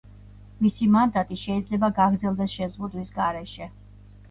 მისი მანდატი შეიძლება გაგრძელდეს შეზღუდვის გარეშე.